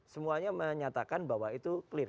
semuanya menyatakan bahwa itu clear